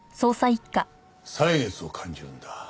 歳月を感じるんだ。